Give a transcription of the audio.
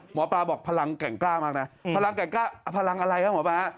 หมอปลาบอกพลังแก่งกล้ามากนะพลังแก่งกล้าพลังอะไรฮะหมอปลา